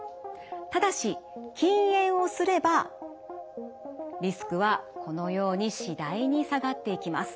ただし禁煙をすればリスクはこのように次第に下がっていきます。